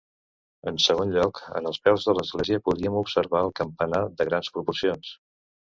En segon lloc, en els peus de l'església podíem observar el campanar de grans proporcions.